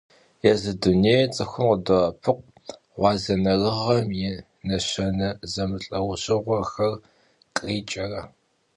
Yêzı dunêyr ts'ıxum khıdo'epıkhu, ğuazenerığem yi neşene zemılh'eujığuexer khritç'ere.